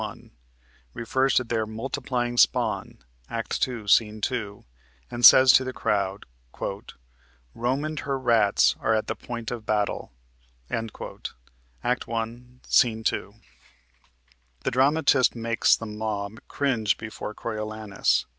1), refers to their "multiplying spawn" (Act 2, Sc. 2), and says to the crowd: "Rome and her rats are at the point of battle." (Act 1, Sc. 2). The dramatist makes the mob cringe before Coriolanus.